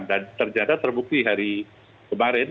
dan ternyata terbukti hari kemarin